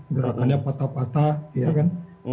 gerakannya patah patah ya kan